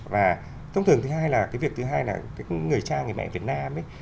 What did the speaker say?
và thông thường thứ hai là cái việc thứ hai là cái người cha người mẹ việt nam ấy